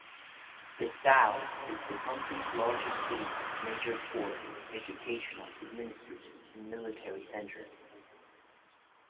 Bissau is the country's largest city, major port, educational, administrative and military center.